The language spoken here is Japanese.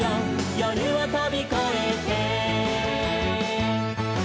「夜をとびこえて」